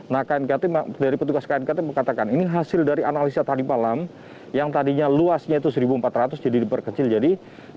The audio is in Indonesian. nah dari petugas knkt mengatakan ini hasil dari analisa tadi malam yang tadinya luasnya itu satu empat ratus jadi diperkecil jadi satu ratus empat puluh satu ratus delapan puluh